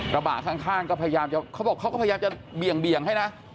ระบะข้างก็พยายามจะเขาบอกเขาก็พยายามจะเบี่ยงให้นะ